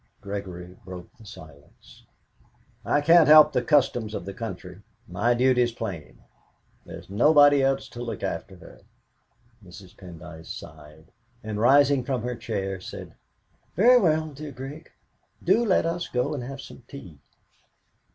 Gregory broke the silence. "I can't help the customs of the country. My duty's plain. There's nobody else to look after her." Mrs. Pendyce sighed, and, rising from her chair, said: "Very well, dear Grig; do let us go and have some tea."